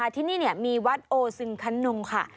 ที่นี่มีวัดโอซึงคันนงค่ะ